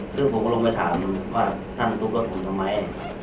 ซึ่งผมก็ลงไปถามว่าท่านมาทุบรถผมทำไม